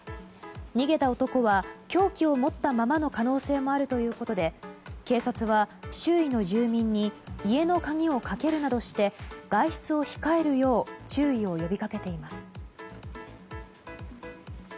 逃げた男は、凶器を持ったままの可能性もあるということで警察は、周囲の住民に家の鍵をかけるなどして外出を控えるよう注意を呼びかけています。